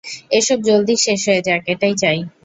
এসব জলদি শেষ হয়ে যাক এটাই চাই।